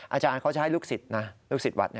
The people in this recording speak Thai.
อาจารย์เขาจะให้ลูกศิษย์นะลูกศิษย์วัด